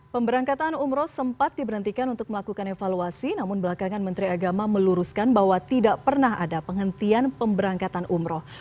pemberangkatan umroh sempat diberhentikan untuk melakukan evaluasi namun belakangan menteri agama meluruskan bahwa tidak pernah ada penghentian pemberangkatan umroh